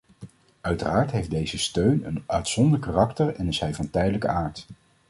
Uiteraard heeft deze steun een uitzonderlijk karakter en is hij van tijdelijke aard.